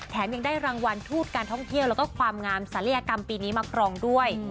ยังได้รางวัลทูตการท่องเที่ยวแล้วก็ความงามศัลยกรรมปีนี้มาครองด้วย